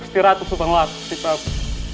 kusti ratu sudah mengelak kusti prabu